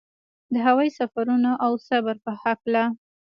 د هوايي سفرونو او صبر په هکله.